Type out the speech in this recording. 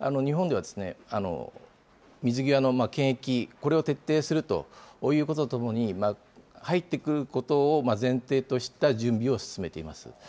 日本では、水際の検疫、これを徹底するということとともに、入ってくることを前提とした準備を進めています。